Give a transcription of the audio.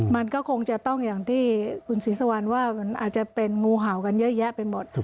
มันก็คงจะต้องอย่างที่คุณศรีสุวรรณว่ามันอาจจะเป็นงูเห่ากันเยอะแยะไปหมด